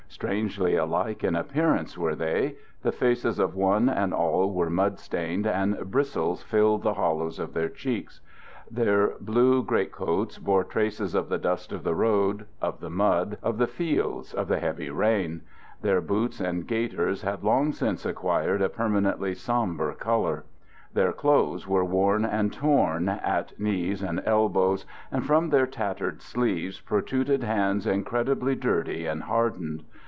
Strangely alike in appearance were they. The faces of one and all were mud stained and bristles filled the hol lows of their cheeks. Their blue great coats bore traces of the dust of the road, of the mud of the fields, of the heavy rain ; their boots and gaiters had long since acquired a permanently somber color; their clothes were worn and torn, at knees and el bows, and from their tattered sleeves protruded (Letter of Maurice Genevoix) i6o " THE GOOD SOLDIER ; hands incredibly dirty and hardened.